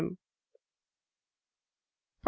PROP.